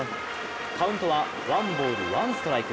カウントはワンボール・ワンストライク。